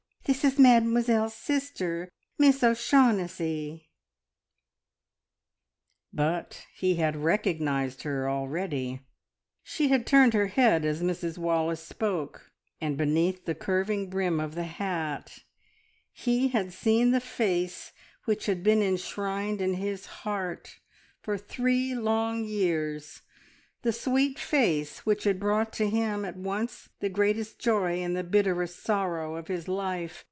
This is Mademoiselle's sister, Miss O'Shaughnessy." But he had recognised her already. She had turned her head as Mrs Wallace spoke, and beneath the curving brim of the hat he had seen the face which had been enshrined in his heart for three long years, the sweet face which had brought to him at once the greatest joy and the bitterest sorrow of his life!